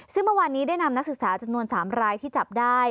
ซึ่งเมื่อวานนี้ได้นำนักศึกษาจำนวน๓รายที่จับได้